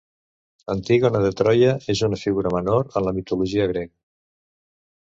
Antígona de Troia és una figura menor en la mitologia grega.